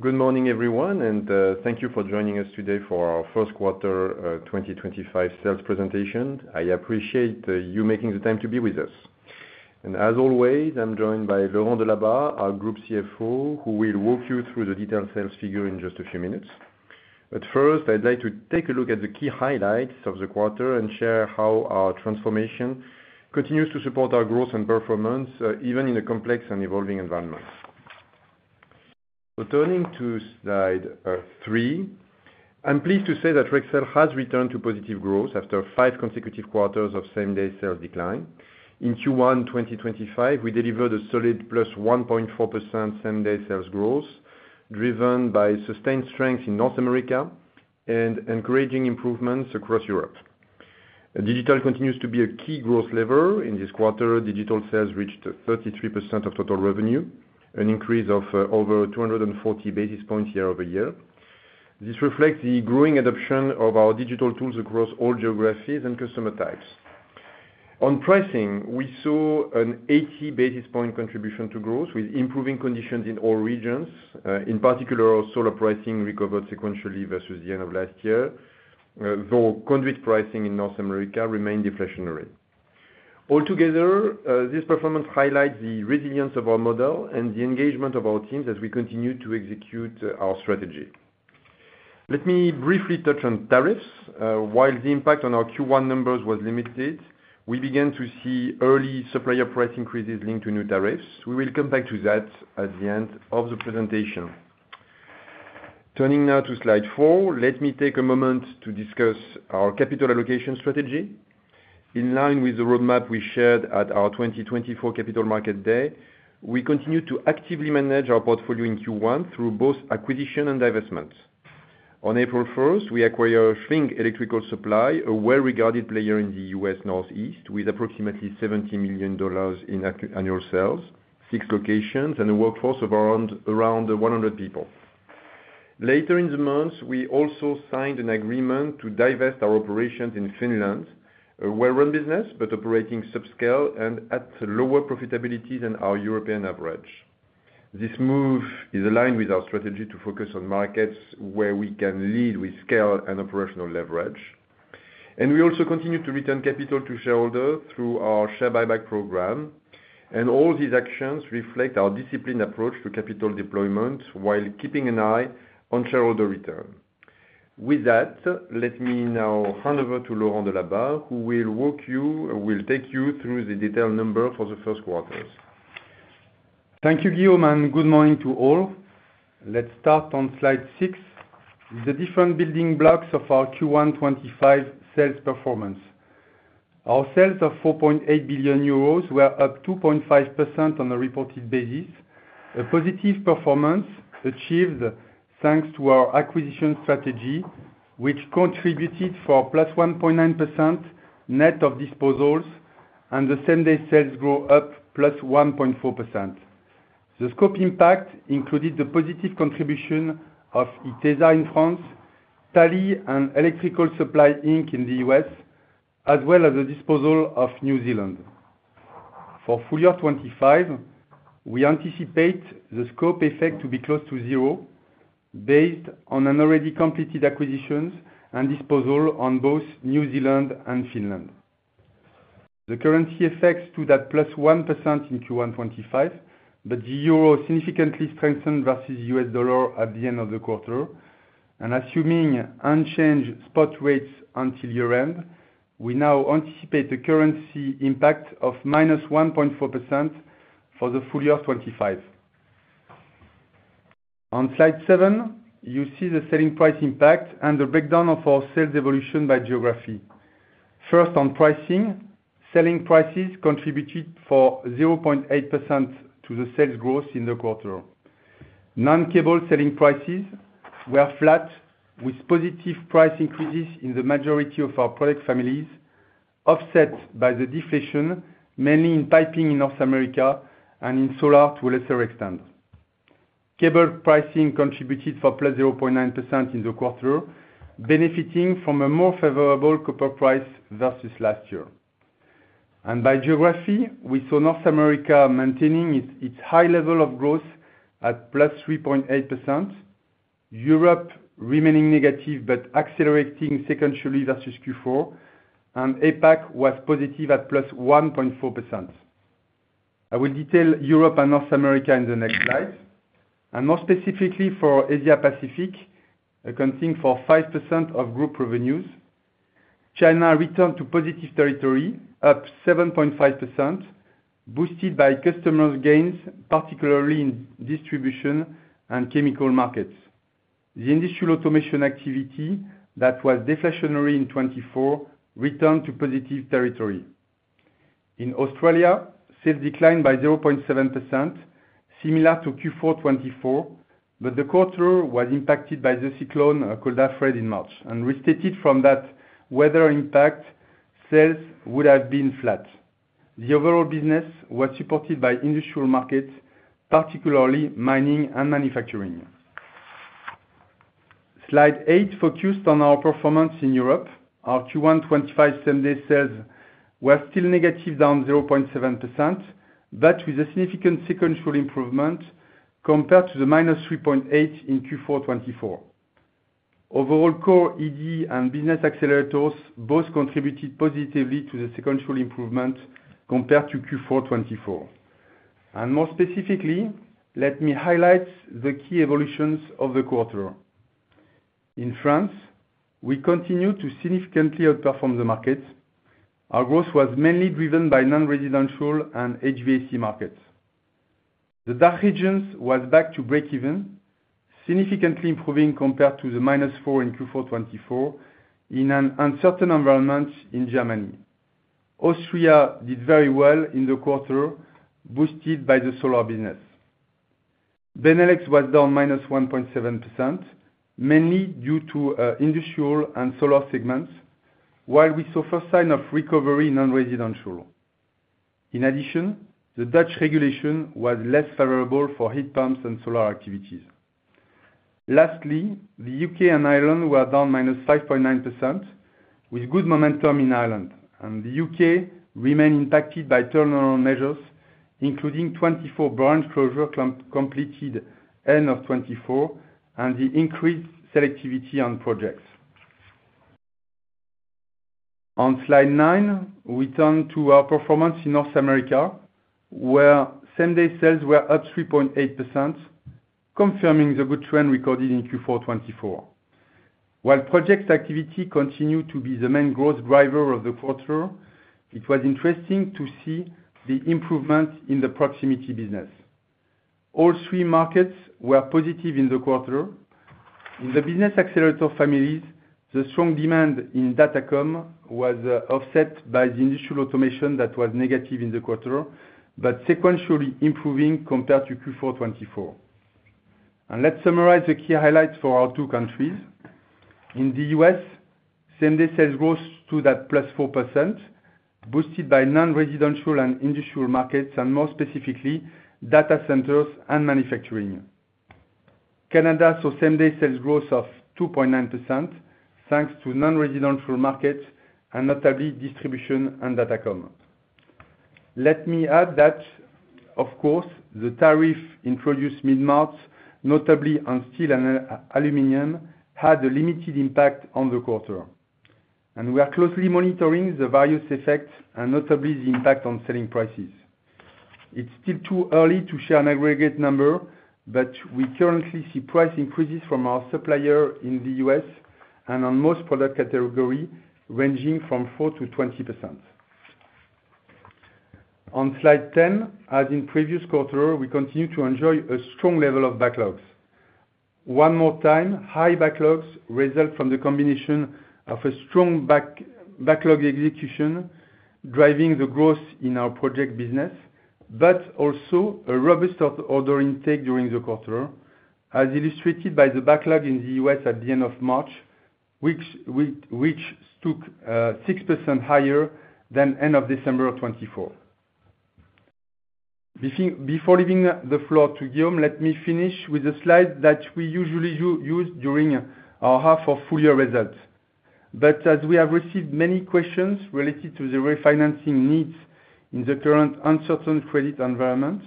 Good morning, everyone, and thank you for joining us today for our first quarter 2025 sales presentation. I appreciate you making the time to be with us. As always, I'm joined by Laurent Delabarre, our Group CFO, who will walk you through the detailed sales figure in just a few minutes. First, I'd like to take a look at the key highlights of the quarter and share how our transformation continues to support our growth and performance even in a complex and evolving environment. Turning to slide three, I'm pleased to say that Rexel has returned to positive growth after five consecutive quarters of same-day sales decline. In Q1 2025, we delivered a solid 1.4% same-day sales growth, driven by sustained strength in North America and encouraging improvements across Europe. Digital continues to be a key growth lever. In this quarter, digital sales reached 33% of total revenue, an increase of over 240 basis points year-over-year. This reflects the growing adoption of our digital tools across all geographies and customer types. On pricing, we saw an 80 basis point contribution to growth with improving conditions in all regions. In particular, solar pricing recovered sequentially versus the end of last year, though conduit pricing in North America remained deflationary. Altogether, this performance highlights the resilience of our model and the engagement of our teams as we continue to execute our strategy. Let me briefly touch on tariffs. While the impact on our Q1 numbers was limited, we began to see early supplier price increases linked to new tariffs. We will come back to that at the end of the presentation. Turning now to slide four, let me take a moment to discuss our capital allocation strategy. In line with the roadmap we shared at our 2024 Capital Market Day, we continue to actively manage our portfolio in Q1 through both acquisition and divestments. On April 1, we acquired Schwing Electrical Supply, a well-regarded player in the US Northeast with approximately $70 million in annual sales, six locations, and a workforce of around 100 people. Later in the month, we also signed an agreement to divest our operations in Finland, a well-run business but operating subscale and at lower profitability than our European average. This move is aligned with our strategy to focus on markets where we can lead with scale and operational leverage. We also continue to return capital to shareholders through our share buyback program. All these actions reflect our disciplined approach to capital deployment while keeping an eye on shareholder return. With that, let me now hand over to Laurent Delabarre, who will walk you and will take you through the detailed number for the first quarters. Thank you, Guillaume, and good morning to all. Let's start on slide six with the different building blocks of our Q1 2025 sales performance. Our sales of 4.8 billion euros were up 2.5% on a reported basis, a positive performance achieved thanks to our acquisition strategy, which contributed for +1.9% net of disposals and the same-day sales growth up +1.4%. The scope impact included the positive contribution of ITESA in France, Talley Inc. in the US, as well as the disposal of New Zealand. For full year 2025, we anticipate the scope effect to be close to zero based on an already completed acquisition and disposal on both New Zealand and Finland. The currency effects stood at +1% in Q1 2025, but the euro significantly strengthened versus the US dollar at the end of the quarter. Assuming unchanged spot rates until year-end, we now anticipate the currency impact of minus 1.4% for the full year 2025. On slide seven, you see the selling price impact and the breakdown of our sales evolution by geography. First, on pricing, selling prices contributed for 0.8% to the sales growth in the quarter. Non-cable selling prices were flat with positive price increases in the majority of our product families, offset by the deflation, mainly in piping in North America and in solar to a lesser extent. Cable pricing contributed for plus 0.9% in the quarter, benefiting from a more favorable copper price versus last year. By geography, we saw North America maintaining its high level of growth at plus 3.8%, Europe remaining negative but accelerating secondarily versus Q4, and APAC was positive at plus 1.4%. I will detail Europe and North America in the next slide. More specifically for Asia-Pacific, accounting for 5% of group revenues, China returned to positive territory, up 7.5%, boosted by customers' gains, particularly in distribution and chemical markets. The industrial automation activity that was deflationary in 2024 returned to positive territory. In Australia, sales declined by 0.7%, similar to Q4 2024, but the quarter was impacted by the cyclone called Alfred in March and, restated from that weather impact, sales would have been flat. The overall business was supported by industrial markets, particularly mining and manufacturing. Slide eight focused on our performance in Europe. Our Q1 2025 same-day sales were still negative, down 0.7%, but with a significant sequential improvement compared to the minus 3.8% in Q4 2024. Overall, core ED and business accelerators both contributed positively to the sequential improvement compared to Q4 2024. More specifically, let me highlight the key evolutions of the quarter. In France, we continued to significantly outperform the markets. Our growth was mainly driven by non-residential and HVAC markets. The DACH regions were back to break-even, significantly improving compared to the minus 4 in Q4 2024 in an uncertain environment in Germany. Austria did very well in the quarter, boosted by the solar business. Benelux was down -1.7%, mainly due to industrial and solar segments, while we saw first sign of recovery in non-residential. In addition, the Dutch regulation was less favorable for heat pumps and solar activities. Lastly, the U.K. and Ireland were down -5.9%, with good momentum in Ireland. The U.K. remained impacted by turnaround measures, including 24 branch closures completed end of 2024 and the increased selectivity on projects. On slide nine, we turn to our performance in North America, where same-day sales were up 3.8%, confirming the good trend recorded in Q4 2024. While project activity continued to be the main growth driver of the quarter, it was interesting to see the improvement in the proximity business. All three markets were positive in the quarter. In the business accelerator families, the strong demand in DataCom was offset by the industrial automation that was negative in the quarter, but sequentially improving compared to Q4 2024. Let's summarize the key highlights for our two countries. In the US, same-day sales growth stood at plus 4%, boosted by non-residential and industrial markets, and more specifically, data centers and manufacturing. Canada saw same-day sales growth of 2.9% thanks to non-residential markets and notably distribution and Datacom. Let me add that, of course, the tariff introduced mid-March, notably on steel and aluminum, had a limited impact on the quarter. We are closely monitoring the various effects and notably the impact on selling prices. It's still too early to share an aggregate number, but we currently see price increases from our supplier in the US and on most product categories ranging from 4% to 20%. On slide 10, as in previous quarter, we continue to enjoy a strong level of backlogs. One more time, high backlogs result from the combination of a strong backlog execution driving the growth in our project business, but also a robust order intake during the quarter, as illustrated by the backlog in the US at the end of March, which stood 6% higher than end of December 2024. Before leaving the floor to Guillaume, let me finish with the slide that we usually use during our half or full year results. As we have received many questions related to the refinancing needs in the current uncertain credit environment,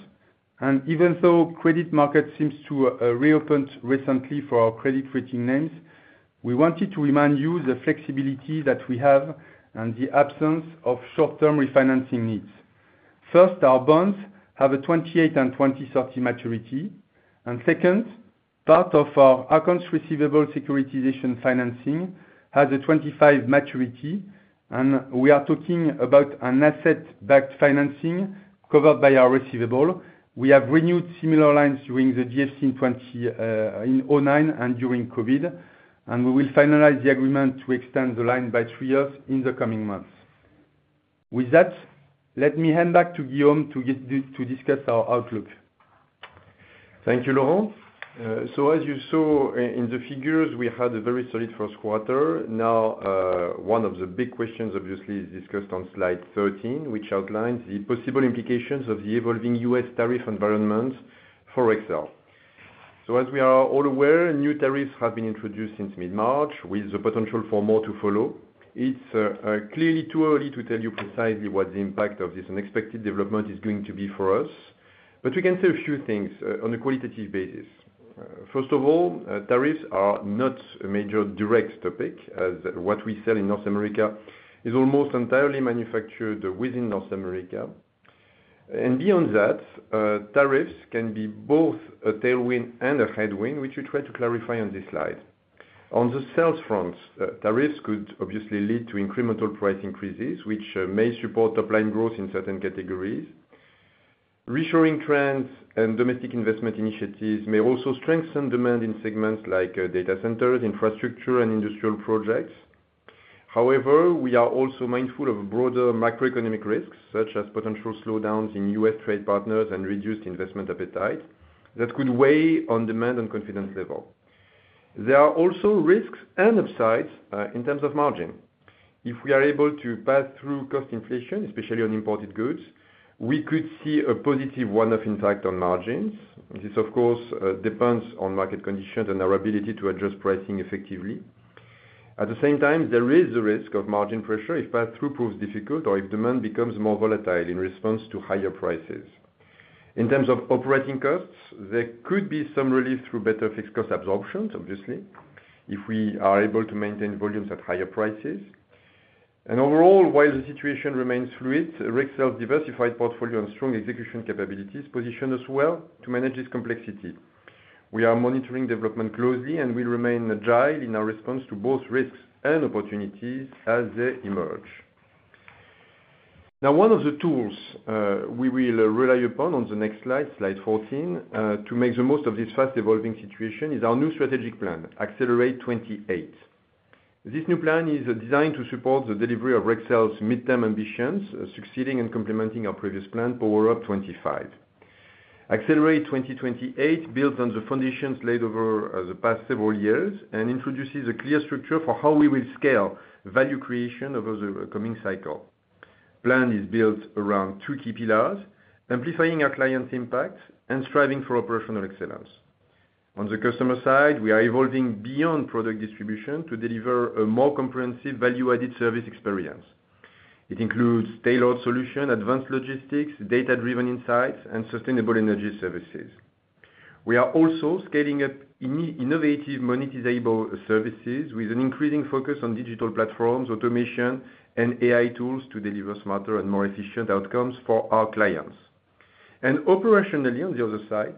and even though credit markets seem to have reopened recently for our credit rating names, we wanted to remind you of the flexibility that we have and the absence of short-term refinancing needs. First, our bonds have a 2028 and 2030 maturity. Second, part of our accounts receivable securitization financing has a 2025 maturity. We are talking about an asset-backed financing covered by our receivable. We have renewed similar lines during the GFC in 2009 and during COVID. We will finalize the agreement to extend the line by three years in the coming months. With that, let me hand back to Guillaume to discuss our outlook. Thank you, Laurent. As you saw in the figures, we had a very solid first quarter. One of the big questions, obviously, is discussed on slide 13, which outlines the possible implications of the evolving US tariff environment for Rexel. As we are all aware, new tariffs have been introduced since mid-March with the potential for more to follow. It is clearly too early to tell you precisely what the impact of this unexpected development is going to be for us. We can say a few things on a qualitative basis. First of all, tariffs are not a major direct topic, as what we sell in North America is almost entirely manufactured within North America. Beyond that, tariffs can be both a tailwind and a headwind, which we try to clarify on this slide. On the sales front, tariffs could obviously lead to incremental price increases, which may support top-line growth in certain categories. Reshoring trends and domestic investment initiatives may also strengthen demand in segments like data centers, infrastructure, and industrial projects. However, we are also mindful of broader macroeconomic risks, such as potential slowdowns in U.S. trade partners and reduced investment appetite that could weigh on demand and confidence level. There are also risks and upsides in terms of margin. If we are able to pass through cost inflation, especially on imported goods, we could see a positive one-off impact on margins. This, of course, depends on market conditions and our ability to adjust pricing effectively. At the same time, there is a risk of margin pressure if pass-through proves difficult or if demand becomes more volatile in response to higher prices. In terms of operating costs, there could be some relief through better fixed cost absorptions, obviously, if we are able to maintain volumes at higher prices. Overall, while the situation remains fluid, Rexel's diversified portfolio and strong execution capabilities position us well to manage this complexity. We are monitoring development closely and will remain agile in our response to both risks and opportunities as they emerge. Now, one of the tools we will rely upon on the next slide, slide 14, to make the most of this fast-evolving situation is our new strategic plan, Accelerate 28. This new plan is designed to support the delivery of Rexel's mid-term ambitions, succeeding and complementing our previous plan, Power Up 25. Accelerate 2028 builds on the foundations laid over the past several years and introduces a clear structure for how we will scale value creation over the coming cycle. The plan is built around two key pillars: amplifying our client impact and striving for operational excellence. On the customer side, we are evolving beyond product distribution to deliver a more comprehensive value-added service experience. It includes tailored solutions, advanced logistics, data-driven insights, and sustainable energy services. We are also scaling up innovative monetizable services with an increasing focus on digital platforms, automation, and AI tools to deliver smarter and more efficient outcomes for our clients. Operationally, on the other side,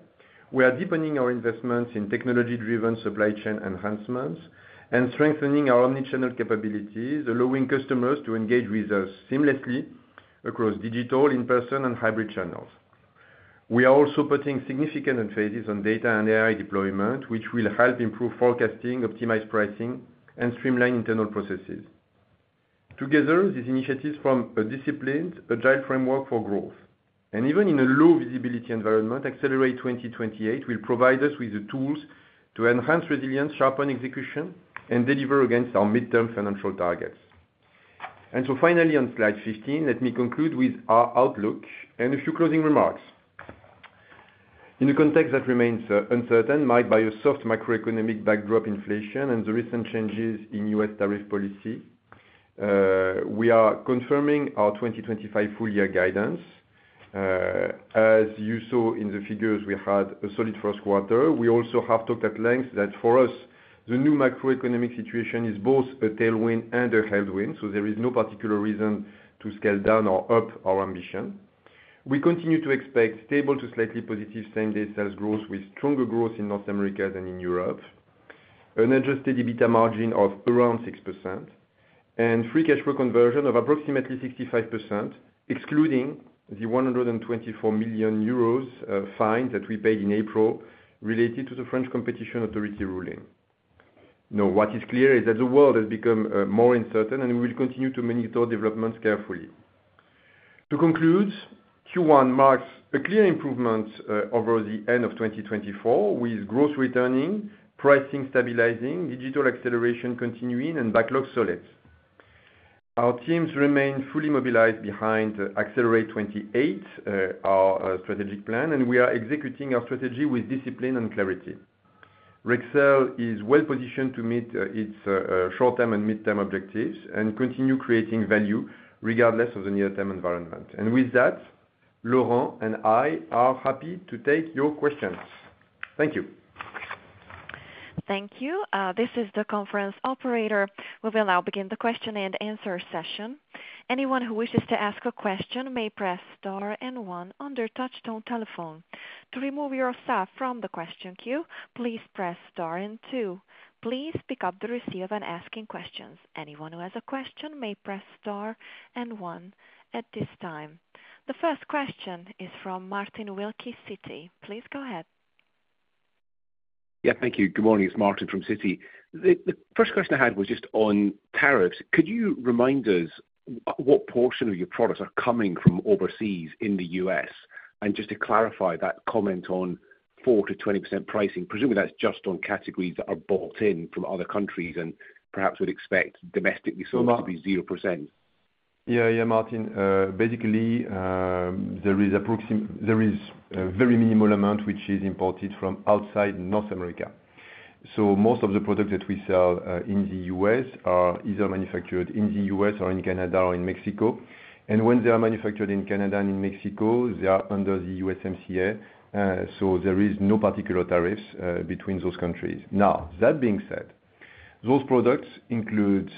we are deepening our investments in technology-driven supply chain enhancements and strengthening our omnichannel capabilities, allowing customers to engage with us seamlessly across digital, in-person, and hybrid channels. We are also putting significant emphasis on data and AI deployment, which will help improve forecasting, optimize pricing, and streamline internal processes. Together, these initiatives form a disciplined, agile framework for growth. Even in a low-visibility environment, Accelerate 2028 will provide us with the tools to enhance resilience, sharpen execution, and deliver against our mid-term financial targets. Finally, on slide 15, let me conclude with our outlook and a few closing remarks. In a context that remains uncertain, marked by a soft macroeconomic backdrop, inflation, and the recent changes in U.S. tariff policy, we are confirming our 2025 full year guidance. As you saw in the figures, we had a solid first quarter. We also have talked at length that for us, the new macroeconomic situation is both a tailwind and a headwind, so there is no particular reason to scale down or up our ambition. We continue to expect stable to slightly positive same-day sales growth with stronger growth in North America than in Europe, an adjusted EBITDA margin of around 6%, and free cash flow conversion of approximately 65%, excluding the 124 million euros fine that we paid in April related to the French Competition Authority ruling. What is clear is that the world has become more uncertain, and we will continue to monitor developments carefully. To conclude, Q1 marks a clear improvement over the end of 2024, with growth returning, pricing stabilizing, digital acceleration continuing, and backlogs solid. Our teams remain fully mobilized behind Accelerate 28, our strategic plan, and we are executing our strategy with discipline and clarity. Rexel is well positioned to meet its short-term and mid-term objectives and continue creating value regardless of the near-term environment. Laurent and I are happy to take your questions. Thank you. Thank you. This is the conference operator. We will now begin the question and answer session. Anyone who wishes to ask a question may press star and one on your touch-tone telephone. To remove yourself from the question queue, please press star and two. Please pick up the receiver and ask questions. Anyone who has a question may press star and one at this time. The first question is from Martin Wilkie, Citi. Please go ahead. Yeah, thank you. Good morning. It's Martin from Citi. The first question I had was just on tariffs. Could you remind us what portion of your products are coming from overseas in the U.S.? Just to clarify that comment on 4%-20% pricing, presumably that's just on categories that are bought in from other countries and perhaps would expect domestically sold to be 0%. Yeah, yeah, Martin. Basically, there is a very minimal amount which is imported from outside North America. Most of the products that we sell in the U.S. are either manufactured in the U.S. or in Canada or in Mexico. When they are manufactured in Canada and in Mexico, they are under the USMCA, so there are no particular tariffs between those countries. That being said, those products include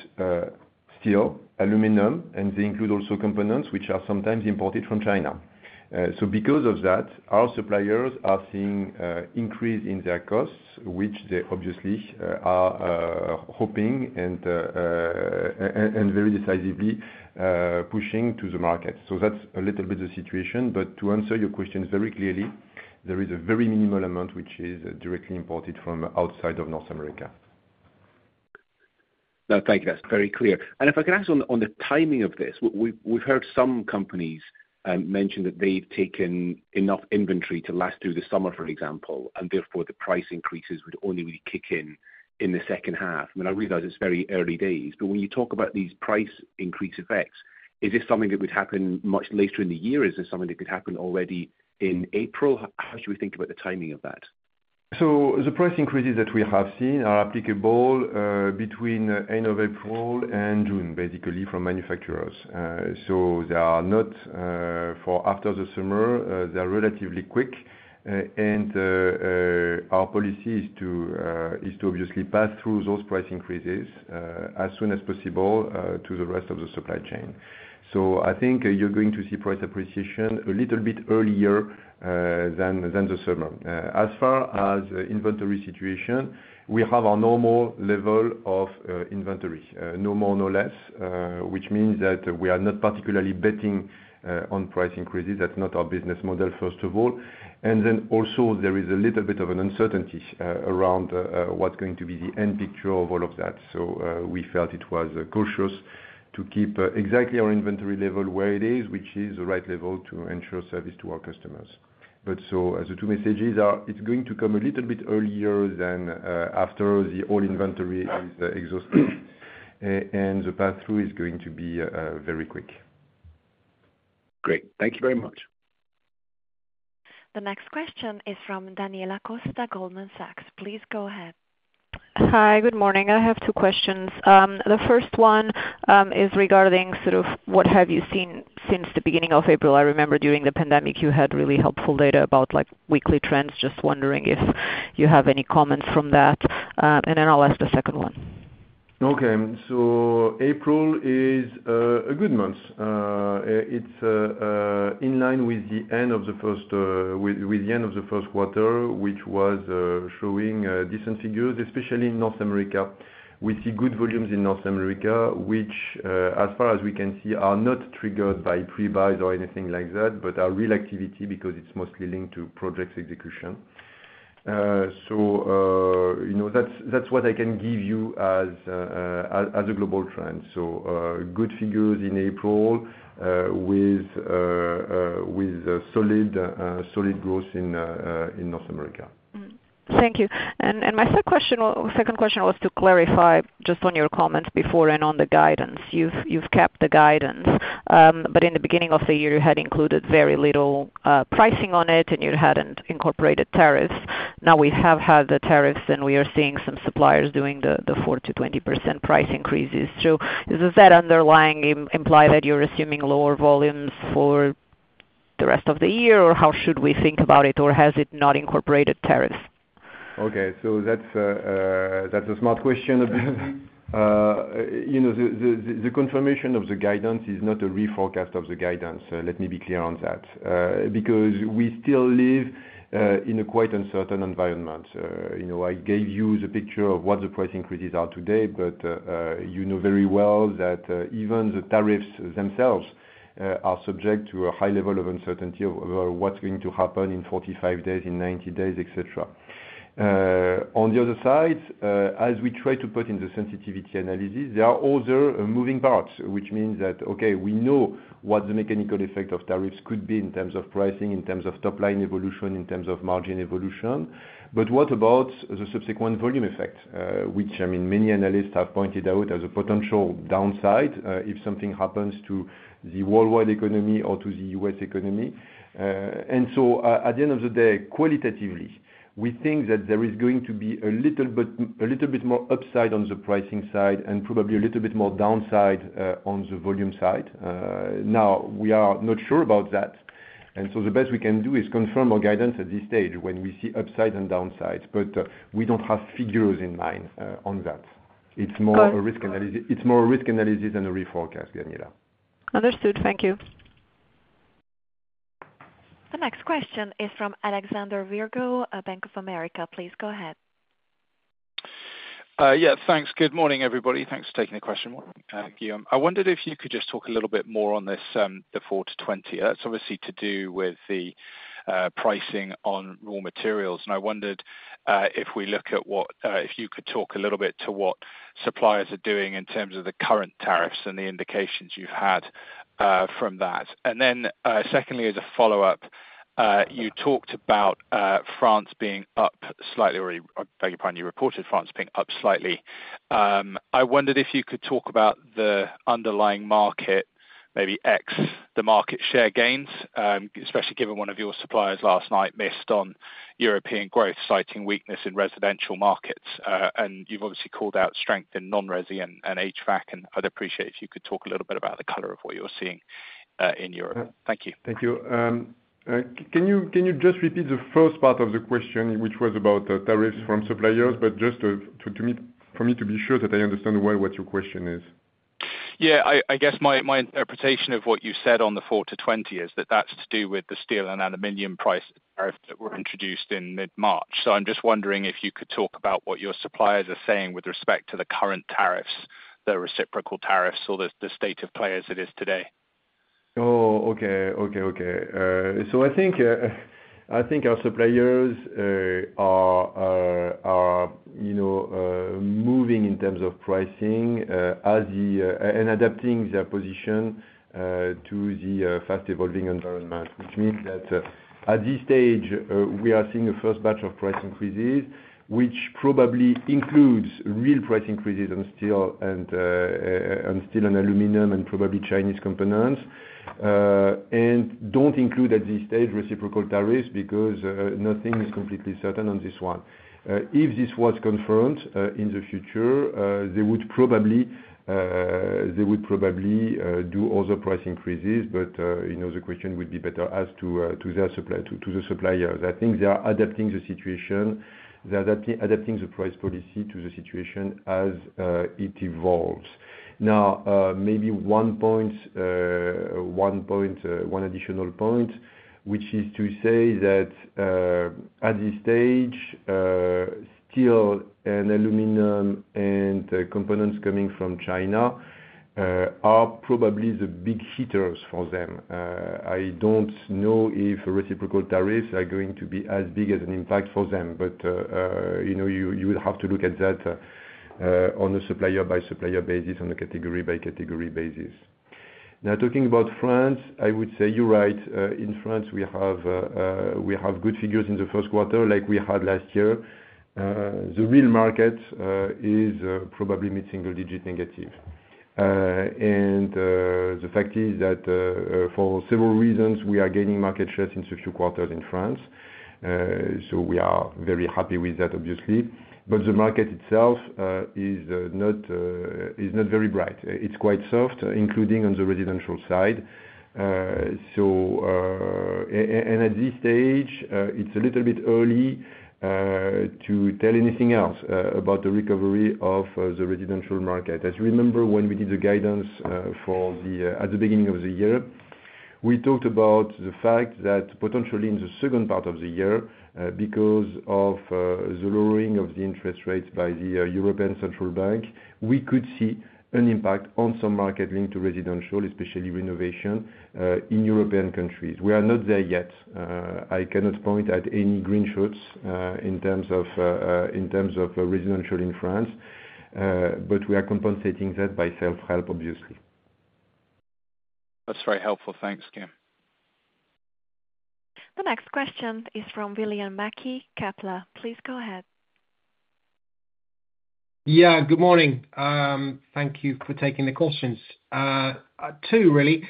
steel, aluminum, and they include also components which are sometimes imported from China. Because of that, our suppliers are seeing an increase in their costs, which they obviously are hoping and very decisively pushing to the market. That's a little bit of the situation. To answer your question very clearly, there is a very minimal amount which is directly imported from outside of North America. No, thank you. That's very clear. If I can ask on the timing of this, we've heard some companies mention that they've taken enough inventory to last through the summer, for example, and therefore the price increases would only really kick in in the second half. I mean, I realize it's very early days, but when you talk about these price increase effects, is this something that would happen much later in the year? Is this something that could happen already in April? How should we think about the timing of that? The price increases that we have seen are applicable between the end of April and June, basically, from manufacturers. They are not for after the summer. They are relatively quick. Our policy is to obviously pass through those price increases as soon as possible to the rest of the supply chain. I think you're going to see price appreciation a little bit earlier than the summer. As far as the inventory situation, we have our normal level of inventory, no more no less, which means that we are not particularly betting on price increases. That's not our business model, first of all. There is a little bit of an uncertainty around what's going to be the end picture of all of that. We felt it was cautious to keep exactly our inventory level where it is, which is the right level to ensure service to our customers. The two messages are it's going to come a little bit earlier than after the old inventory is exhausted, and the pass-through is going to be very quick. Great. Thank you very much. The next question is from Daniela Costa, Goldman Sachs. Please go ahead. Hi, good morning. I have two questions. The first one is regarding sort of what have you seen since the beginning of April? I remember during the pandemic, you had really helpful data about weekly trends. Just wondering if you have any comments from that. And then I'll ask the second one. Okay. April is a good month. It is in line with the end of the first quarter, which was showing decent figures, especially in North America. We see good volumes in North America, which, as far as we can see, are not triggered by pre-buys or anything like that, but are real activity because it is mostly linked to projects execution. That is what I can give you as a global trend. Good figures in April with solid growth in North America. Thank you. My second question was to clarify just on your comments before and on the guidance. You've kept the guidance, but in the beginning of the year, you had included very little pricing on it, and you hadn't incorporated tariffs. Now we have had the tariffs, and we are seeing some suppliers doing the 4%-20% price increases. Does that underlying imply that you're assuming lower volumes for the rest of the year, or how should we think about it, or has it not incorporated tariffs? Okay. That's a smart question. The confirmation of the guidance is not a reforecast of the guidance. Let me be clear on that because we still live in a quite uncertain environment. I gave you the picture of what the price increases are today, but you know very well that even the tariffs themselves are subject to a high level of uncertainty over what's going to happen in 45 days, in 90 days, etc. On the other side, as we try to put in the sensitivity analysis, there are also moving parts, which means that, okay, we know what the mechanical effect of tariffs could be in terms of pricing, in terms of top-line evolution, in terms of margin evolution. What about the subsequent volume effect, which, I mean, many analysts have pointed out as a potential downside if something happens to the worldwide economy or to the U.S. economy? At the end of the day, qualitatively, we think that there is going to be a little bit more upside on the pricing side and probably a little bit more downside on the volume side. Now, we are not sure about that. The best we can do is confirm our guidance at this stage when we see upside and downside, but we do not have figures in mind on that. It is more a risk analysis than a reforecast, Daniela. Understood. Thank you. The next question is from Alexander Virgo, Bank of America. Please go ahead. Yeah, thanks. Good morning, everybody. Thanks for taking the question, Guillaume. I wondered if you could just talk a little bit more on this, the 4%-20%. It's obviously to do with the pricing on raw materials. I wondered if we look at what, if you could talk a little bit to what suppliers are doing in terms of the current tariffs and the indications you've had from that. Secondly, as a follow-up, you talked about France being up slightly, or I think you reported France being up slightly. I wondered if you could talk about the underlying market, maybe ex the market share gains, especially given one of your suppliers last night missed on European growth, citing weakness in residential markets. You have obviously called out strength in non-residential and HVAC, and I'd appreciate it if you could talk a little bit about the color of what you're seeing in Europe. Thank you. Thank you. Can you just repeat the first part of the question, which was about tariffs from suppliers, but just for me to be sure that I understand well what your question is? Yeah. I guess my interpretation of what you said on the 4%-20% is that that's to do with the steel and aluminum price tariff that were introduced in mid-March. I'm just wondering if you could talk about what your suppliers are saying with respect to the current tariffs, the reciprocal tariffs, or the state of play as it is today. Okay, okay, okay. I think our suppliers are moving in terms of pricing and adapting their position to the fast-evolving environment, which means that at this stage, we are seeing the first batch of price increases, which probably includes real price increases on steel and aluminum and probably Chinese components, and do not include at this stage reciprocal tariffs because nothing is completely certain on this one. If this was confirmed in the future, they would probably do other price increases, but the question would be better asked to their suppliers. I think they are adapting the situation. They are adapting the price policy to the situation as it evolves. Now, maybe one additional point, which is to say that at this stage, steel and aluminum and components coming from China are probably the big hitters for them. I don't know if reciprocal tariffs are going to be as big as an impact for them, but you would have to look at that on a supplier-by-supplier basis, on a category-by-category basis. Now, talking about France, I would say you're right. In France, we have good figures in the first quarter like we had last year. The real market is probably mid-single-digit negative. The fact is that for several reasons, we are gaining market shares in a few quarters in France. We are very happy with that, obviously. The market itself is not very bright. It's quite soft, including on the residential side. At this stage, it's a little bit early to tell anything else about the recovery of the residential market. As you remember, when we did the guidance at the beginning of the year, we talked about the fact that potentially in the second part of the year, because of the lowering of the interest rates by the European Central Bank, we could see an impact on some market linked to residential, especially renovation, in European countries. We are not there yet. I cannot point at any green shoots in terms of residential in France, but we are compensating that by self-help, obviously. That's very helpful. Thanks, Guillaume. The next question is from William Mackie, Kepler. Please go ahead. Yeah, good morning. Thank you for taking the questions. Two, really.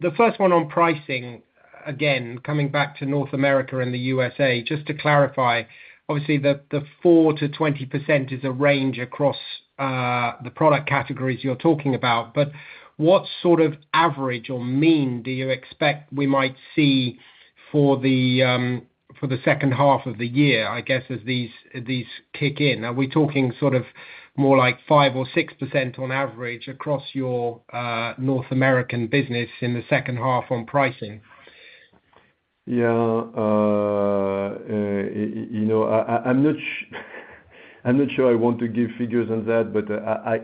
The first one on pricing, again, coming back to North America and the U.S.A., just to clarify, obviously, the 4%-20% is a range across the product categories you're talking about, but what sort of average or mean do you expect we might see for the second half of the year, I guess, as these kick in? Are we talking sort of more like 5% or 6% on average across your North American business in the second half on pricing? Yeah. I'm not sure I want to give figures on that, but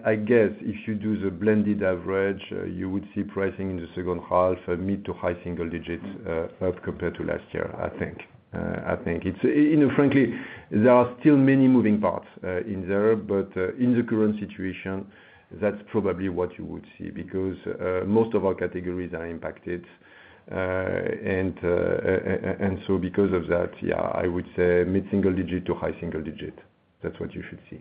I guess if you do the blended average, you would see pricing in the second half, mid to high single-digit up compared to last year, I think. Frankly, there are still many moving parts in there, but in the current situation, that's probably what you would see because most of our categories are impacted. Because of that, yeah, I would say mid-single-digit to high single-digit. That's what you should see.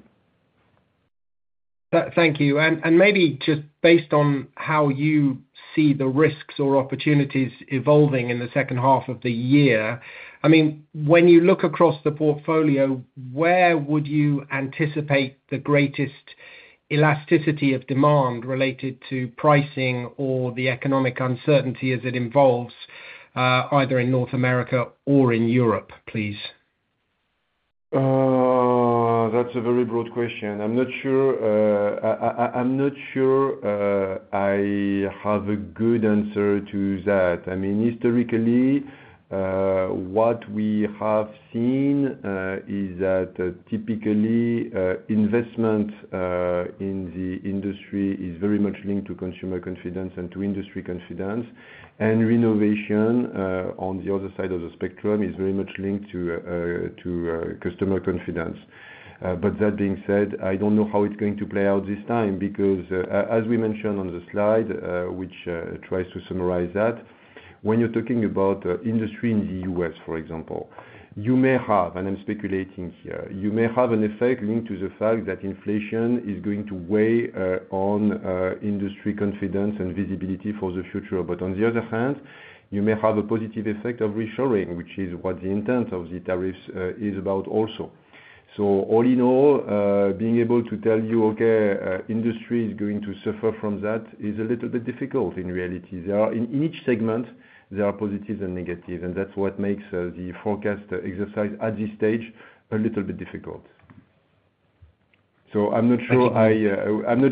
Thank you. Maybe just based on how you see the risks or opportunities evolving in the second half of the year, I mean, when you look across the portfolio, where would you anticipate the greatest elasticity of demand related to pricing or the economic uncertainty as it evolves either in North America or in Europe, please? That's a very broad question. I'm not sure. I'm not sure I have a good answer to that. I mean, historically, what we have seen is that typically, investment in the industry is very much linked to consumer confidence and to industry confidence. And renovation on the other side of the spectrum is very much linked to customer confidence. That being said, I don't know how it's going to play out this time because, as we mentioned on the slide, which tries to summarize that, when you're talking about industry in the U.S., for example, you may have I am speculating here you may have an effect linked to the fact that inflation is going to weigh on industry confidence and visibility for the future. On the other hand, you may have a positive effect of reshoring, which is what the intent of the tariffs is about also. All in all, being able to tell you, "Okay, industry is going to suffer from that," is a little bit difficult in reality. In each segment, there are positives and negatives, and that's what makes the forecast exercise at this stage a little bit difficult. I'm not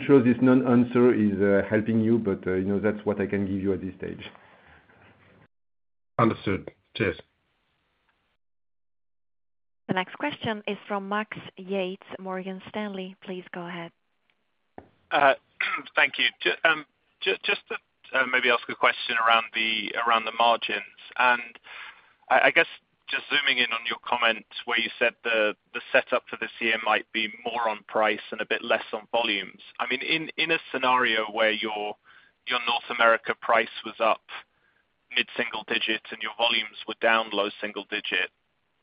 sure this non-answer is helping you, but that's what I can give you at this stage. Understood. Cheers. The next question is from Max Yates, Morgan Stanley. Please go ahead. Thank you. Just to maybe ask a question around the margins. I guess just zooming in on your comments where you said the setup for this year might be more on price and a bit less on volumes. I mean, in a scenario where your North America price was up mid-single digit and your volumes were down low single digit,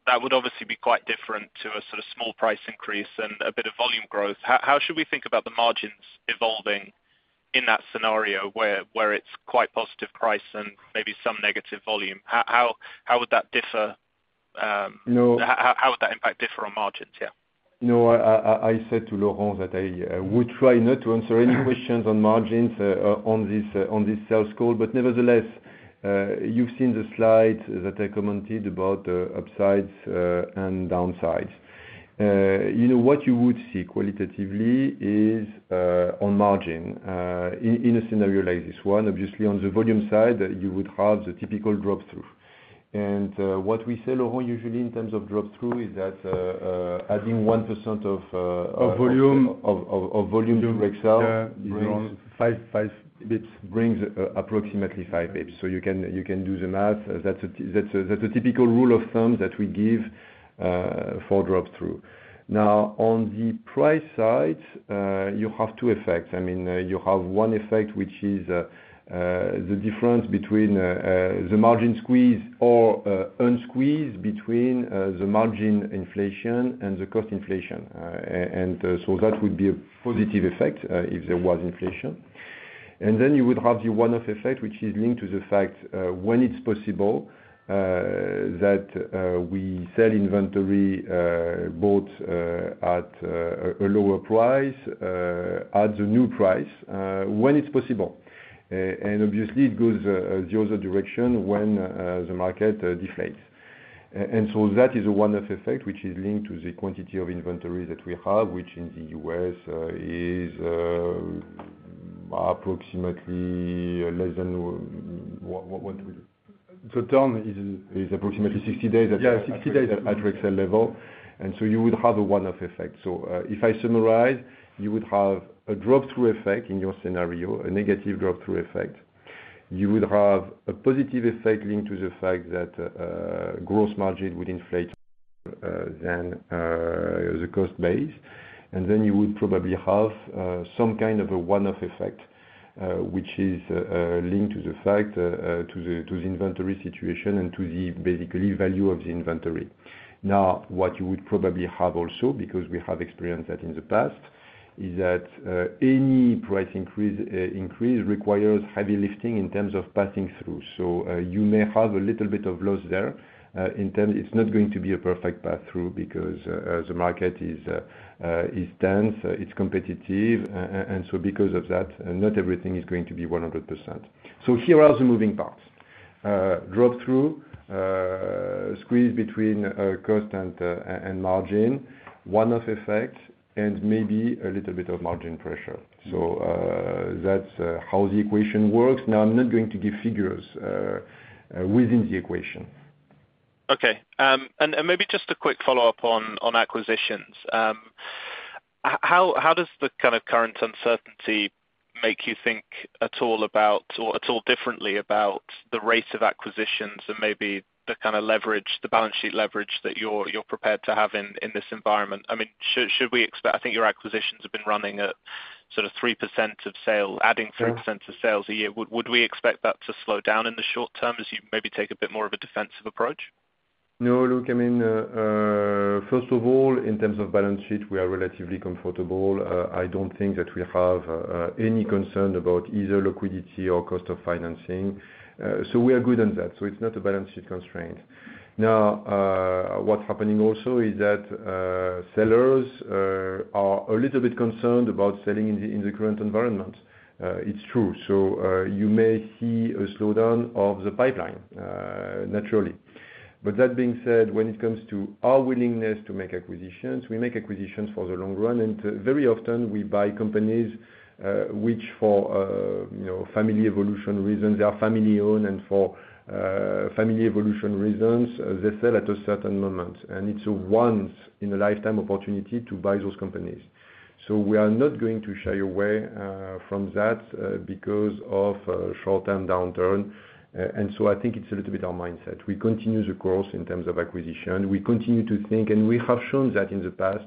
that would obviously be quite different to a sort of small price increase and a bit of volume growth. How should we think about the margins evolving in that scenario where it's quite positive price and maybe some negative volume? How would that differ? How would that impact differ on margins? Yeah. I said to Laurent that I would try not to answer any questions on margins on this sales call, but nevertheless, you've seen the slide that I commented about upsides and downsides. What you would see qualitatively is on margin in a scenario like this one. Obviously, on the volume side, you would have the typical drop-through. And what we say, Laurent, usually in terms of drop-through is that adding 1% of. Of volume. Of volume to Rexel. Yeah. Five basis points. Brings approximately five basis points. You can do the math. That's a typical rule of thumb that we give for drop-through. Now, on the price side, you have two effects. I mean, you have one effect, which is the difference between the margin squeeze or unsqueeze between the margin inflation and the cost inflation. That would be a positive effect if there was inflation. Then you would have the one-off effect, which is linked to the fact when it's possible that we sell inventory both at a lower price, at the new price, when it's possible. Obviously, it goes the other direction when the market deflates. That is a one-off effect, which is linked to the quantity of inventory that we have, which in the US is approximately less than what would the term is approximately 60 days at. Yeah, 60 days. At Rexel level. You would have a one-off effect. If I summarize, you would have a drop-through effect in your scenario, a negative drop-through effect. You would have a positive effect linked to the fact that gross margin would inflate more than the cost base. You would probably have some kind of a one-off effect, which is linked to the inventory situation and to the value of the inventory. What you would probably have also, because we have experienced that in the past, is that any price increase requires heavy lifting in terms of passing through. You may have a little bit of loss there in terms of it's not going to be a perfect pass-through because the market is dense, it's competitive. Because of that, not everything is going to be 100%. Here are the moving parts. Drop-through, squeeze between cost and margin, one-off effect, and maybe a little bit of margin pressure. That is how the equation works. Now, I'm not going to give figures within the equation. Okay. Maybe just a quick follow-up on acquisitions. How does the kind of current uncertainty make you think at all about or at all differently about the rate of acquisitions and maybe the kind of leverage, the balance sheet leverage that you're prepared to have in this environment? I mean, should we expect, I think your acquisitions have been running at sort of 3% of sales, adding 3% of sales a year. Would we expect that to slow down in the short term as you maybe take a bit more of a defensive approach? No, look, I mean, first of all, in terms of balance sheet, we are relatively comfortable. I do not think that we have any concern about either liquidity or cost of financing. We are good on that. It is not a balance sheet constraint. Now, what is happening also is that sellers are a little bit concerned about selling in the current environment. It is true. You may see a slowdown of the pipeline, naturally. That being said, when it comes to our willingness to make acquisitions, we make acquisitions for the long run. Very often, we buy companies which, for family evolution reasons, they are family-owned. For family evolution reasons, they sell at a certain moment. It is a once-in-a-lifetime opportunity to buy those companies. We are not going to shy away from that because of a short-term downturn. I think it's a little bit our mindset. We continue the course in terms of acquisition. We continue to think, and we have shown that in the past.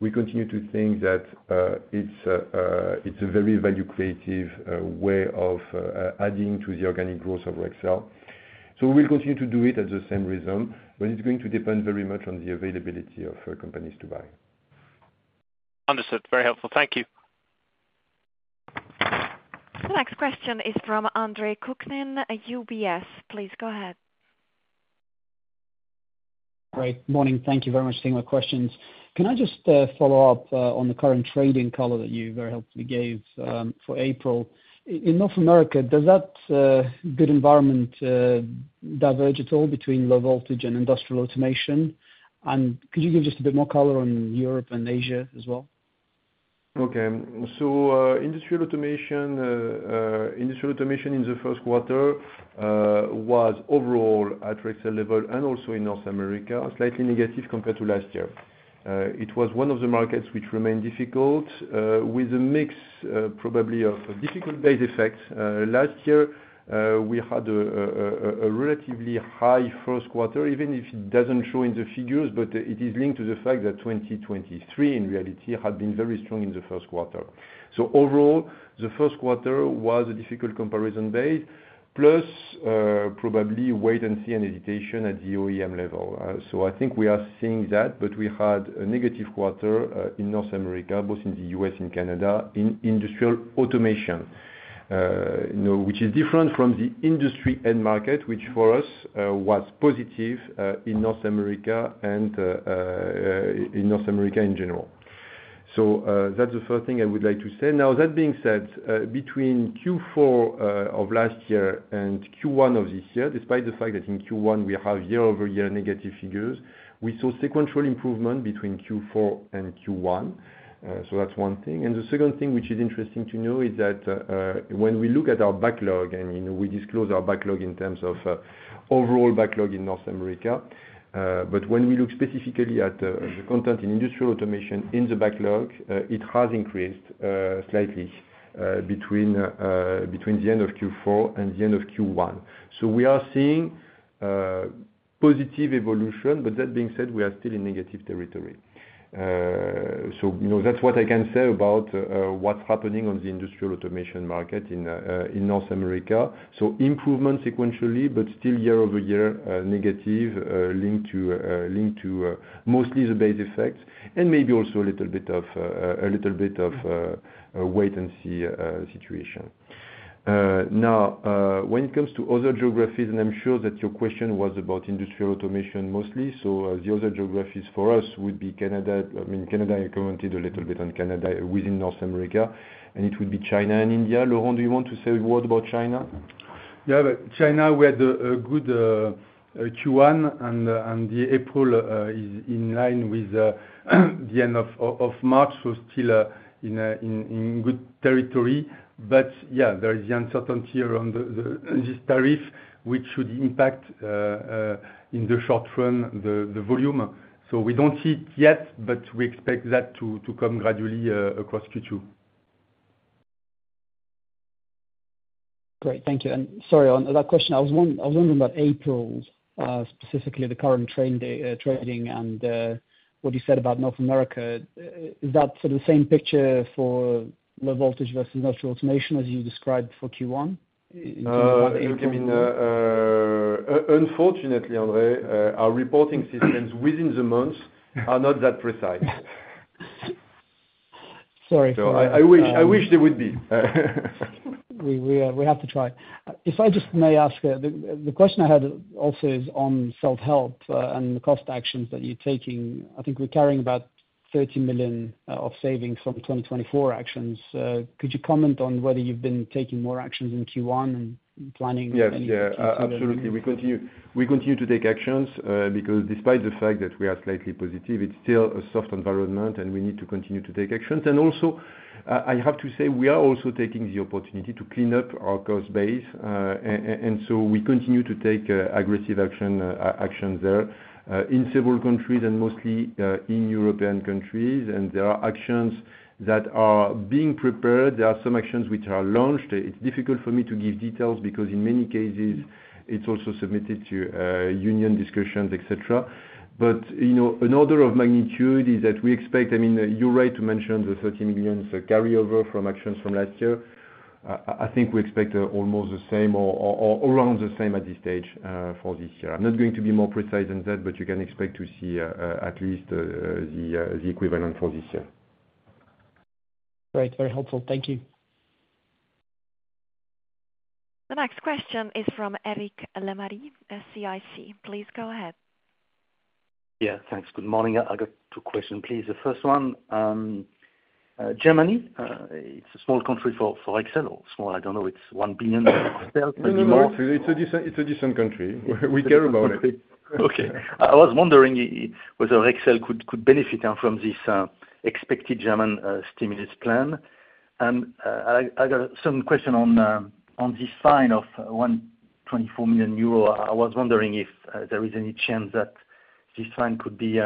We continue to think that it's a very value-creative way of adding to the organic growth of Rexel. We will continue to do it at the same rhythm, but it's going to depend very much on the availability of companies to buy. Understood. Very helpful. Thank you. The next question is from Andrei Kukhnin, UBS. Please go ahead. Great. Morning. Thank you very much for taking my questions. Can I just follow up on the current trading color that you very helpfully gave for April? In North America, does that good environment diverge at all between low voltage and industrial automation? Could you give just a bit more color on Europe and Asia as well? Okay. Industrial automation in the first quarter was overall at Rexel level and also in North America, slightly negative compared to last year. It was one of the markets which remained difficult with a mix probably of difficult base effects. Last year, we had a relatively high first quarter, even if it does not show in the figures, but it is linked to the fact that 2023, in reality, had been very strong in the first quarter. Overall, the first quarter was a difficult comparison base, plus probably wait and see and hesitation at the OEM level. I think we are seeing that, but we had a negative quarter in North America, both in the U.S. and Canada, in industrial automation, which is different from the industry end market, which for us was positive in North America and in North America in general. That's the first thing I would like to say. Now, that being said, between Q4 of last year and Q1 of this year, despite the fact that in Q1, we have year-over-year negative figures, we saw sequential improvement between Q4 and Q1. That's one thing. The second thing which is interesting to know is that when we look at our backlog, and we disclose our backlog in terms of overall backlog in North America, but when we look specifically at the content in industrial automation in the backlog, it has increased slightly between the end of Q4 and the end of Q1. We are seeing positive evolution, but that being said, we are still in negative territory. That's what I can say about what's happening on the industrial automation market in North America. Improvement sequentially, but still year-over-year negative linked to mostly the base effect and maybe also a little bit of a wait and see situation. Now, when it comes to other geographies, and I'm sure that your question was about industrial automation mostly, the other geographies for us would be Canada. I mean, Canada, I commented a little bit on Canada. Within North America, and it would be China and India. Laurent, do you want to say a word about China? Yeah. China, we had a good Q1, and April is in line with the end of March, so still in good territory. There is the uncertainty around this tariff, which should impact in the short run the volume. We do not see it yet, but we expect that to come gradually across Q2. Great. Thank you. Sorry, on that question, I was wondering about April, specifically the current trading and what you said about North America. Is that sort of the same picture for low voltage versus industrial automation as you described for Q1? Look, I mean, unfortunately, Andrei, our reporting systems within the months are not that precise. Sorry. I wish they would be. We have to try. If I just may ask, the question I had also is on self-help and the cost actions that you're taking. I think we're carrying about 30 million of savings from 2024 actions. Could you comment on whether you've been taking more actions in Q1 and planning anything? Yes. Yeah. Absolutely. We continue to take actions because despite the fact that we are slightly positive, it's still a soft environment, and we need to continue to take actions. I have to say, we are also taking the opportunity to clean up our cost base. We continue to take aggressive actions there in several countries and mostly in European countries. There are actions that are being prepared. There are some actions which are launched. It's difficult for me to give details because in many cases, it's also submitted to union discussions, etc. An order of magnitude is that we expect, I mean, you're right to mention the $30 million carryover from actions from last year. I think we expect almost the same or around the same at this stage for this year. I'm not going to be more precise than that, but you can expect to see at least the equivalent for this year. Great. Very helpful. Thank you. The next question is from Eric Lemarié, CIC. Please go ahead. Yeah. Thanks. Good morning. I got two questions, please. The first one, Germany, it's a small country for Rexel, or small, I don't know. It's 1 billion Rexel, maybe more. It's a decent country. We care about it. Okay. I was wondering whether Rexel could benefit from this expected German stimulus plan. I got a sudden question on this fine of 124 million euro. I was wondering if there is any chance that this fine could be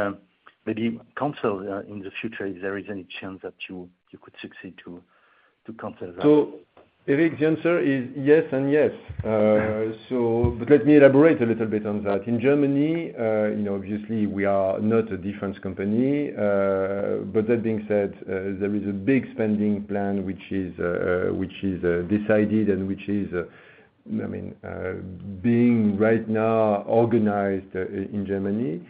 maybe canceled in the future, if there is any chance that you could succeed to cancel that. Eric's answer is yes and yes. I mean, let me elaborate a little bit on that. In Germany, obviously, we are not a defense company. That being said, there is a big spending plan which is decided and which is, I mean, being right now organized in Germany.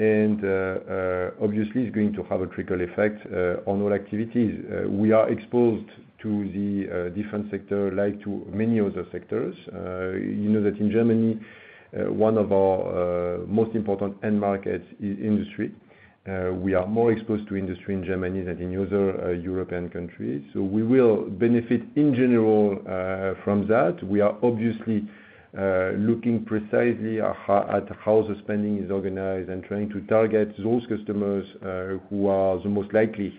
Obviously, it's going to have a trickle effect on all activities. We are exposed to the defense sector like to many other sectors. You know that in Germany, one of our most important end markets is industry. We are more exposed to industry in Germany than in other European countries. We will benefit in general from that. We are obviously looking precisely at how the spending is organized and trying to target those customers who are the most likely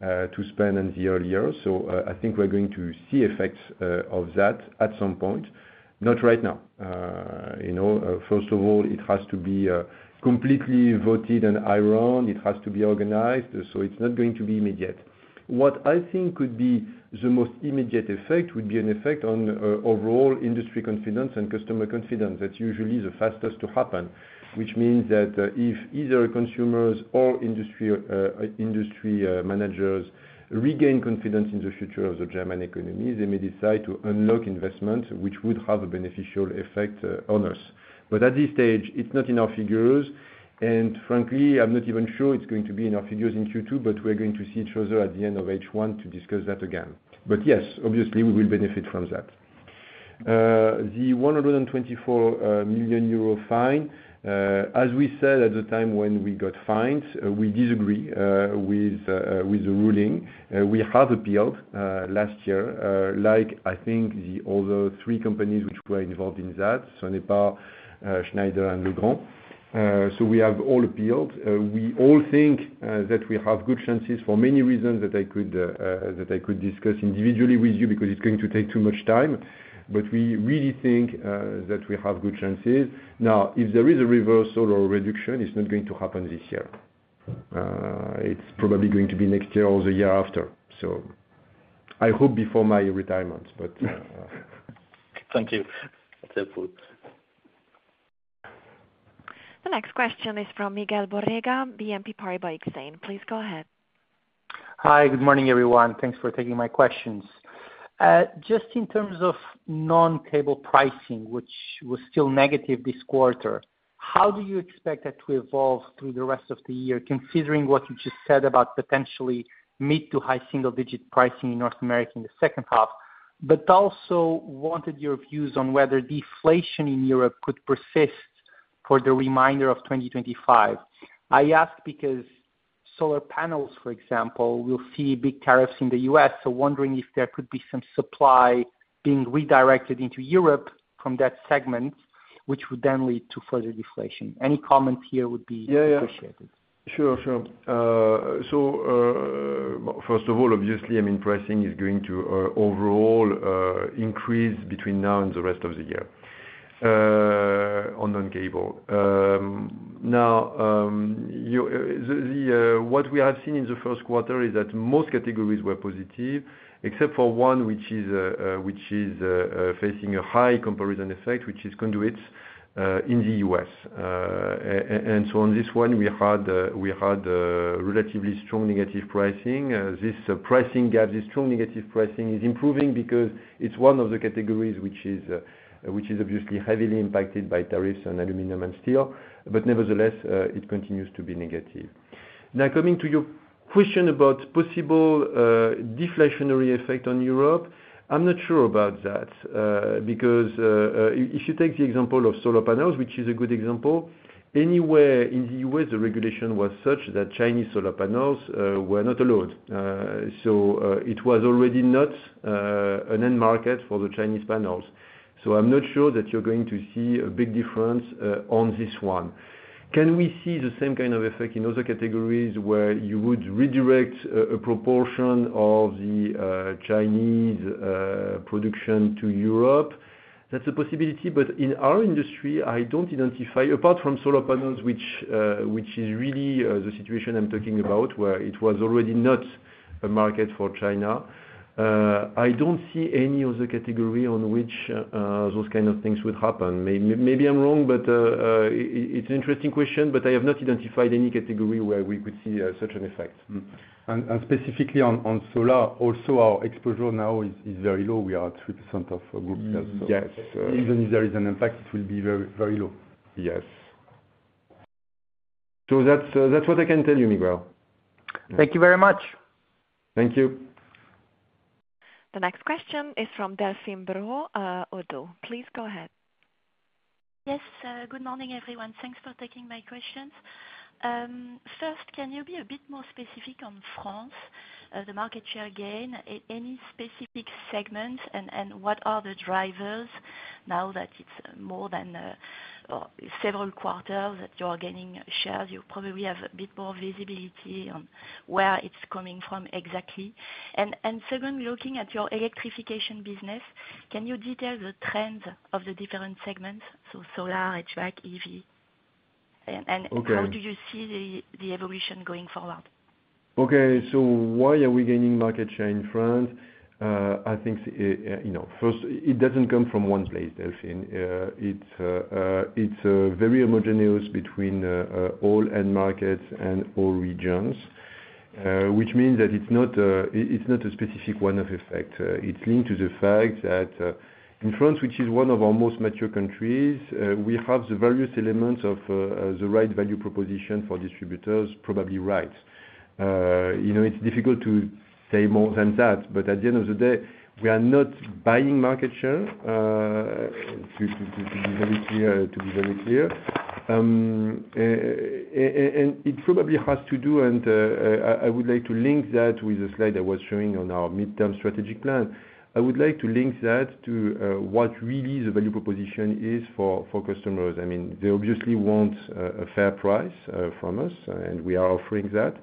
to spend in the early years. I think we're going to see effects of that at some point. Not right now. First of all, it has to be completely voted and ironed. It has to be organized. It is not going to be immediate. What I think could be the most immediate effect would be an effect on overall industry confidence and customer confidence. That is usually the fastest to happen, which means that if either consumers or industry managers regain confidence in the future of the German economy, they may decide to unlock investments, which would have a beneficial effect on us. At this stage, it is not in our figures. Frankly, I am not even sure it is going to be in our figures in Q2. We are going to see each other at the end of H1 to discuss that again. Yes, obviously, we will benefit from that. The 124 million euro fine, as we said at the time when we got fined, we disagree with the ruling. We have appealed last year, like I think the other three companies which were involved in that, Sonepar, Schneider, and Legrand. We have all appealed. We all think that we have good chances for many reasons that I could discuss individually with you because it's going to take too much time. We really think that we have good chances. Now, if there is a reversal or reduction, it's not going to happen this year. It's probably going to be next year or the year after. I hope before my retirement, but. Thank you. That's helpful. The next question is from Miguel Borrega, BNP Paribas Exane. Please go ahead. Hi. Good morning, everyone. Thanks for taking my questions. Just in terms of non-cable pricing, which was still negative this quarter, how do you expect that to evolve through the rest of the year, considering what you just said about potentially mid to high single-digit pricing in North America in the second half, but also wanted your views on whether deflation in Europe could persist for the remainder of 2025? I ask because solar panels, for example, will see big tariffs in the US, so wondering if there could be some supply being redirected into Europe from that segment, which would then lead to further deflation. Any comments here would be appreciated. Sure. Sure. First of all, obviously, I mean, pricing is going to overall increase between now and the rest of the year on non-cable. What we have seen in the first quarter is that most categories were positive, except for one which is facing a high comparison effect, which is conduits in the US. On this one, we had relatively strong negative pricing. This pricing gap, this strong negative pricing, is improving because it is one of the categories which is obviously heavily impacted by tariffs on aluminum and steel, but nevertheless, it continues to be negative. Now, coming to your question about possible deflationary effect on Europe, I am not sure about that because if you take the example of solar panels, which is a good example, anywhere in the US, the regulation was such that Chinese solar panels were not allowed. It was already not an end market for the Chinese panels. I am not sure that you are going to see a big difference on this one. Can we see the same kind of effect in other categories where you would redirect a proportion of the Chinese production to Europe? That is a possibility. In our industry, I do not identify, apart from solar panels, which is really the situation I am talking about, where it was already not a market for China, I do not see any other category on which those kind of things would happen. Maybe I am wrong, but it is an interesting question, but I have not identified any category where we could see such an effect. Specifically on solar, also our exposure now is very low. We are at 3% of group sales. Even if there is an impact, it will be very low. Yes. That's what I can tell you, Miguel. Thank you very much. Thank you. The next question is from Delphine Brault, Oddo. Please go ahead. Yes. Good morning, everyone. Thanks for taking my questions. First, can you be a bit more specific on France, the market share gain, any specific segments, and what are the drivers now that it's more than several quarters that you are gaining shares? You probably have a bit more visibility on where it's coming from exactly. Second, looking at your electrification business, can you detail the trends of the different segments, so solar, HVAC, EV? How do you see the evolution going forward? Okay. Why are we gaining market share in France? I think first, it doesn't come from one place, Delphine. It's very homogeneous between all end markets and all regions, which means that it's not a specific one-off effect. It's linked to the fact that in France, which is one of our most mature countries, we have the various elements of the right value proposition for distributors, probably right. It's difficult to say more than that, but at the end of the day, we are not buying market share, to be very clear. It probably has to do, and I would like to link that with the slide I was showing on our midterm strategic plan. I would like to link that to what really the value proposition is for customers. I mean, they obviously want a fair price from us, and we are offering that.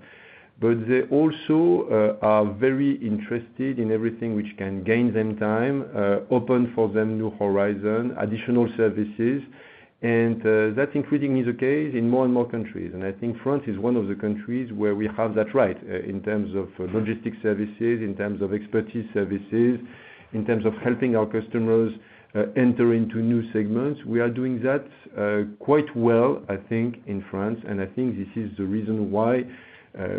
They also are very interested in everything which can gain them time, open for them new horizon, additional services. That, including, is the case in more and more countries. I think France is one of the countries where we have that right in terms of logistics services, in terms of expertise services, in terms of helping our customers enter into new segments. We are doing that quite well, I think, in France. I think this is the reason why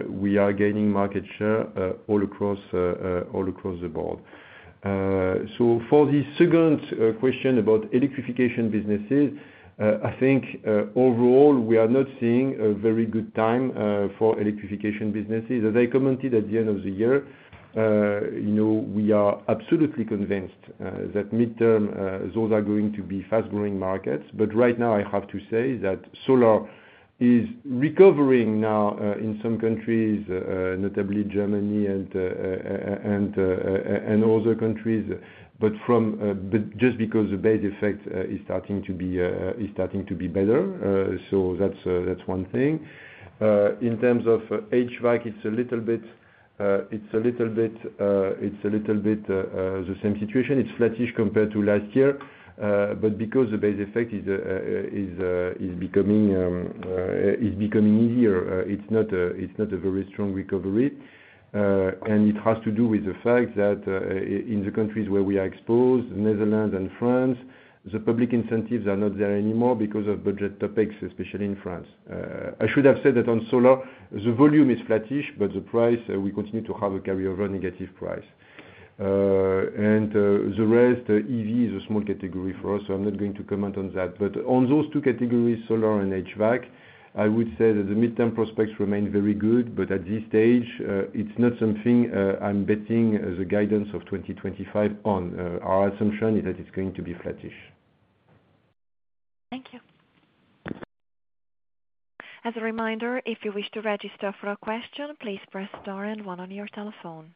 we are gaining market share all across the board. For the second question about electrification businesses, I think overall, we are not seeing a very good time for electrification businesses. As I commented at the end of the year, we are absolutely convinced that midterm, those are going to be fast-growing markets. Right now, I have to say that solar is recovering now in some countries, notably Germany and other countries, just because the base effect is starting to be better. That's one thing. In terms of HVAC, it's a little bit the same situation. It's flattish compared to last year. Because the base effect is becoming easier, it's not a very strong recovery. It has to do with the fact that in the countries where we are exposed, the Netherlands and France, the public incentives are not there anymore because of budget topics, especially in France. I should have said that on solar, the volume is flattish, but the price, we continue to have a carryover negative price. The rest, EV is a small category for us, so I'm not going to comment on that. On those two categories, solar and HVAC, I would say that the midterm prospects remain very good, but at this stage, it's not something I'm betting the guidance of 2025 on. Our assumption is that it's going to be flattish. Thank you. As a reminder, if you wish to register for a question, please press star and one on your telephone.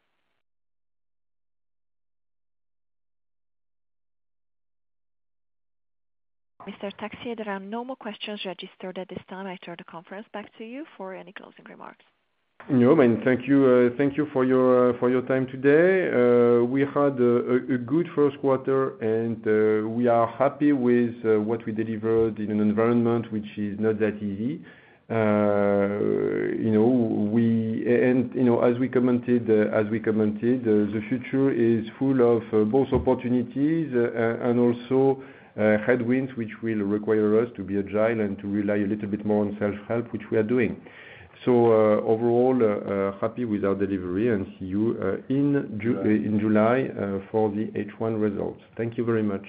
Mr. Texier, there are no more questions registered at this time. I turn the conference back to you for any closing remarks. No, ma'am. Thank you for your time today. We had a good first quarter, and we are happy with what we delivered in an environment which is not that easy. As we commented, the future is full of both opportunities and also headwinds which will require us to be agile and to rely a little bit more on self-help, which we are doing. Overall, happy with our delivery and see you in July for the H1 results. Thank you very much.